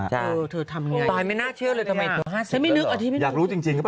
จริงทำยังไงตอนนี้ไม่น่าเชื่อเลยทำไมตัว๕๐แล้วหรือเปล่าอยากรู้จริงหรือเปล่า